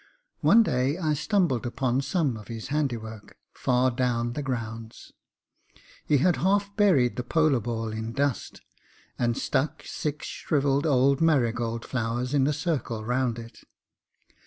One day I stumbled upon some of his handiwork far down the grounds. He had half buried the polo ball in dust, and stuck six shrivelled old marigold flowers in a circle round it.